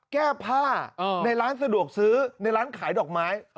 แก้ผ้าในร้านสะดวกซื้อในร้านขายดอกไม้